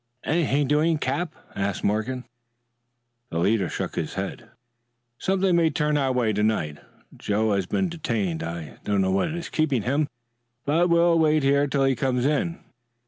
"Anything doing, Cap?" asked Morgan. The leader shook his head. "Something may turn our way to night. Joe has been detained. I don't know what is keeping him. But we'll wait here till he comes in.